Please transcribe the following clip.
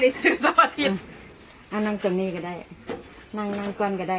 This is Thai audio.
ได้ซื้อสักสิบอ่ะนั่งตรงนี้ก็ได้นั่งนั่งก่อนก็ได้